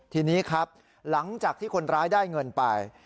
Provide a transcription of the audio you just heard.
ทีนี้ครับหลังจากที่คนร้ายได้เงินไป